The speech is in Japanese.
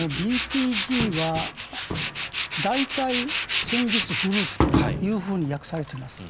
ＢＴＧは大隊戦術グループと訳されています。